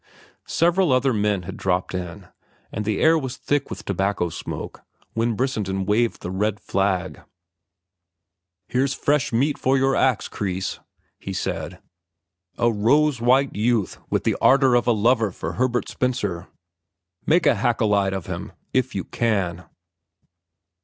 Several other men had dropped in, and the air was thick with tobacco smoke, when Brissenden waved the red flag. "Here's fresh meat for your axe, Kreis," he said; "a rose white youth with the ardor of a lover for Herbert Spencer. Make a Haeckelite of him—if you can."